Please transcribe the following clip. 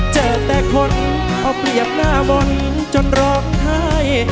เจอแต่คนเอาเปรียบหน้าวนจนรอบท้าย